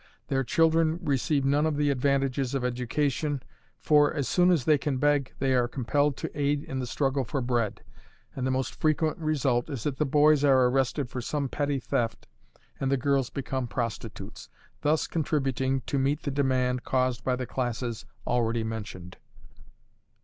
Their children receive none of the advantages of education; for, as soon as they can beg, they are compelled to aid in the struggle for bread, and the most frequent result is that the boys are arrested for some petty theft, and the girls become prostitutes, thus contributing to meet the demand caused by the classes already mentioned.